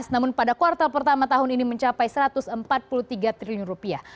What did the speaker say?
namun pada kuartal pertama tahun ini mencapai satu ratus empat puluh tiga triliun rupiah